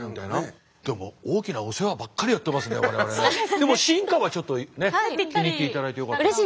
でも進化はちょっとねっ気に入っていただいてよかったです。